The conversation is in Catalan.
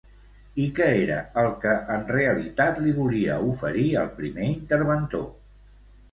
I què era el que en realitat li volia oferir al primer interventor?